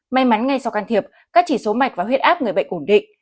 may mắn ngay sau can thiệp các chỉ số mạch và huyết áp người bệnh ổn định